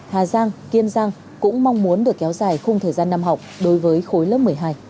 hà giang kiên giang cũng mong muốn được kéo dài khung thời gian năm học đối với khối lớp một mươi hai